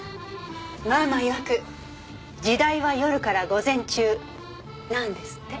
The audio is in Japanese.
ママいわく「時代は夜から午前中」なんですって。